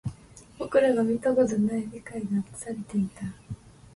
僕らが見たことがない世界が映されていた